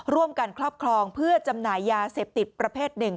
ครอบครองเพื่อจำหน่ายยาเสพติดประเภทหนึ่ง